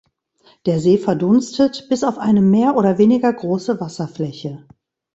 Der See verdunstet bis auf eine mehr oder weniger große Wasserfläche.